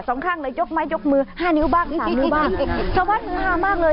สองข้างเลยยกไม้ยกมือห้านิ้วบ้างสามนิ้วบ้างชาวบ้านมือห้ามากเลย